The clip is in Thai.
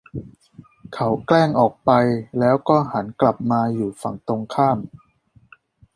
เขาแกล้งออกไปแล้วก็หันกลับมาอยู่ฝั่งตรงข้าม